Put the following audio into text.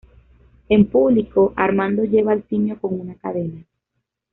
En público Armando lleva al simio con una cadena.